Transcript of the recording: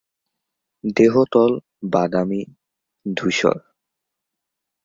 দেহতল বাদামি-ধূসর।